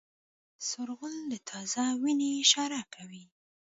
سور غول د تازه وینې اشاره کوي.